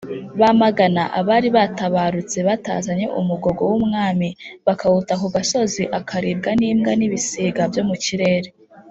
bamagana abari batabarutse batazanye umugogo w’Umwami bakawuta ku gasozi akaribwa n’Imbwa n’ibisiga byo mu kirere.